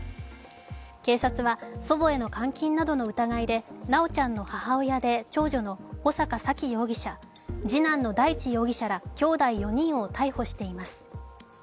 警察は祖母への監禁などの疑いで修ちゃんの母親で長女の穂坂沙喜容疑者、次男の大地容疑者らきょうだい４人を逮捕しています。